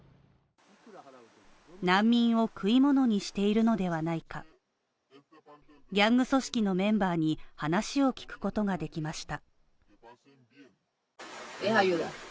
難民を食い物にしているのではないか、ギャング組織のメンバーに話を聞くことができました。